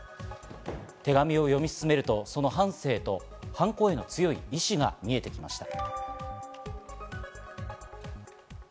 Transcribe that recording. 手紙を読み進めると、その半生と犯行への強い意志が見えてきました。